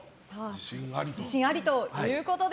自信ありということで。